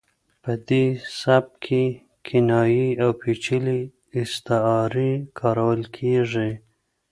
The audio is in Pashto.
په دې سبک کې کنایې او پیچلې استعارې کارول کیږي